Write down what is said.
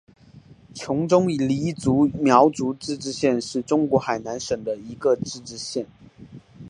琼中黎族苗族自治县是中国海南省的一个自治县。